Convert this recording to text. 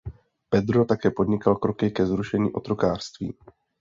Pedro také podnikal kroky ke zrušení otrokářství.